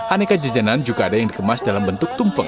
aneka jajanan juga ada yang dikemas dalam bentuk tumpeng